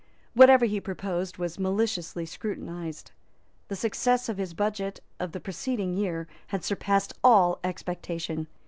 Whatever he proposed was maliciously scrutinised. The success of his budget of the preceding year had surpassed all expectation.